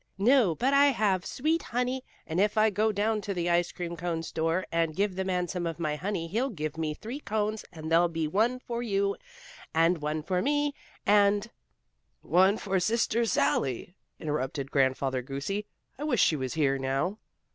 "No, but I have sweet honey, and if I go down to the ice cream cone store, and give the man some of my honey he'll give me three cones, and there'll be one for you and one for me and " "One for Sister Sallie!" interrupted Grandfather Goosey. "I wish she was here now."